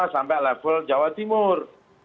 sampai level jawa timur